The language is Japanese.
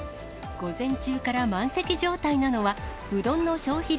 午前中から満席状態なのは、うどんの消費量